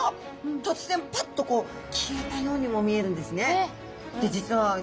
突然パッとこう消えたようにも見えるんですね。